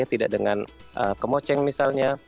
tidak dengan kemoceng misalnya